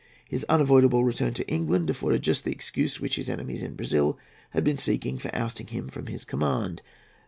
His unavoidable return to England afforded just the excuse which his enemies in Brazil had been seeking for ousting him from his command.